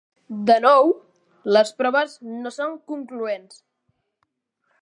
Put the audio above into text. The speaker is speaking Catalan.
De nou, les proves no són concloents.